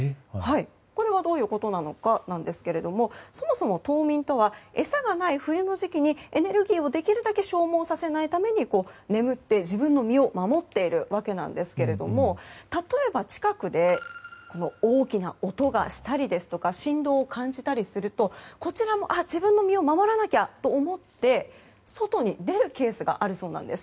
これはどういうことなのかですがそもそも、冬眠とは餌がない冬の時期にエネルギーをできるだけ消耗させないために眠って自分の身を守っているわけですが例えば近くで大きな音がしたり振動を感じたりするとこちらもあ、自分の身を守らなきゃと思って、外に出るケースがあるそうなんです。